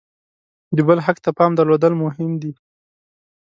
د بل حق ته پام درلودل مهم دي.